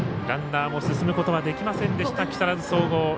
ランナーも進むことはできませんでした、木更津総合。